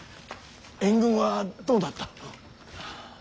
援軍はどうなった。